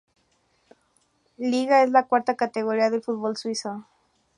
Liga es la cuarta categoría del fútbol suizo.